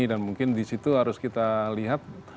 dan mungkin disitu harus kita lihat